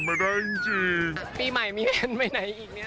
ปีใหม่มีมันไปไหนอีกเนี่ย